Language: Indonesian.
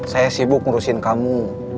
saya sibuk ngurusin kamu